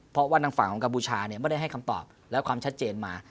เพราะว่าทางฝั่งของกัมพูชาไม่ได้ให้คำตอบและความชัดเจนมา